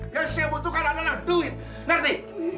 yang saya butuhkan adalah duit nanti